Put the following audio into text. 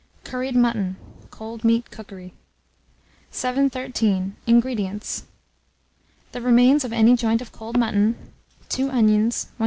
CURRIED MUTTON (Cold Meat Cookery). 713. INGREDIENTS. The remains of any joint of cold mutton, 2 onions, 1/4 lb.